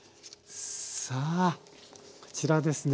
さあこちらですね。